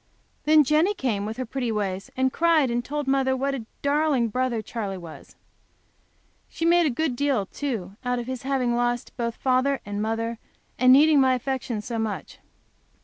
Then Jenny came with her pretty ways, and cried, and told mother what a darling brother Charley was. She made a good deal, too, out of his having lost both father and mother, and needing my affection so much.